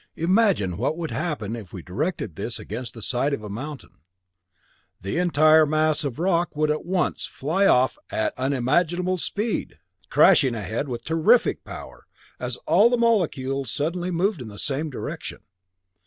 "Imagine what would happen if we directed this against the side of a mountain the entire mass of rock would at once fly off at unimaginable speed, crashing ahead with terrific power, as all the molecules suddenly moved in the same direction.